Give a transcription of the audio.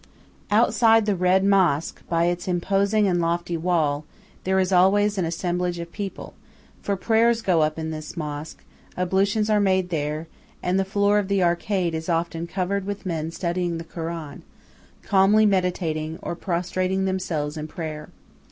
Outside the "Red Mosque," by its imposing and lofty wall, there is always an assemblage of people, for prayers go up in this mosque, ablutions are made there, and the floor of the arcade is often covered with men studying the Koran, calmly meditating, or prostrating themselves in prayer.